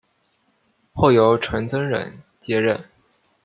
后由陈增稔接任。